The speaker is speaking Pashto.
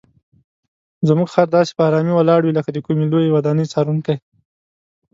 زموږ خر داسې په آرامۍ ولاړ وي لکه د کومې لویې ودانۍ څارونکی.